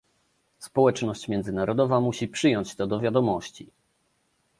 Społeczność międzynarodowa musi przyjąć to do wiadomości